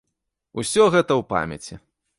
Усё гэта ў памяці.